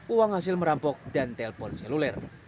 uang hasil merampok dan telpon seluler